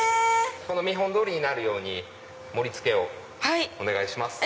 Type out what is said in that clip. この見本通りになるように盛り付けをお願いします。